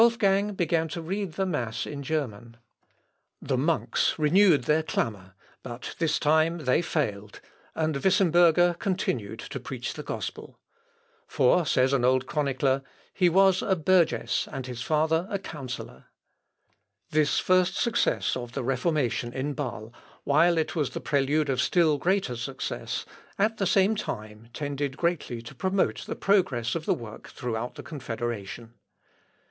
Wolfgang began to read the mass in German. The monks renewed their clamour, but this time they failed, and Wissemberger continued to preach the gospel; "for," says an old chronicler, "he was a burgess and his father a counsellor." This first success of the Reformation in Bâle, while it was the prelude of still greater success, at the same time tended greatly to promote the progress of the work throughout the Confederation.